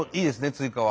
追加は。